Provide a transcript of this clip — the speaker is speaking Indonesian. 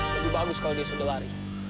lebih bagus kalau dia sudah lari